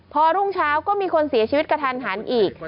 พอรุ่งเช้าก็มีคนเสียชีวิตกระทันหันอีก